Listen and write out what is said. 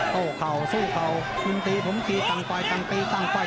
โต้เข่าสู้เข่าคุณตีผมตีต่างฝ่ายต่างตีต่างไป